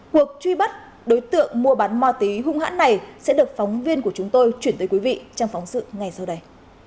cuộc truy bắt đối tượng mua bán ma túy hung hãn này sẽ được phóng viên của chúng tôi chuyển tới quý vị trong phóng sự ngay sau đây